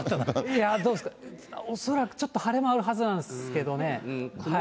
いや、どうですか、恐らくちょっと晴れ間あるはずなんですけどね。